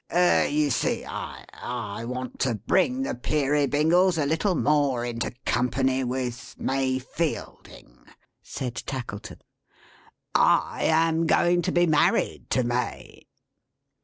"You see I I want to bring the Peerybingles a little more into company with May Fielding," said Tackleton. "I am going to be married to May."